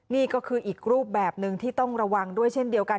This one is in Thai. นี่ก็คืออีกรูปแบบหนึ่งที่ต้องระวังด้วยเช่นเดียวกัน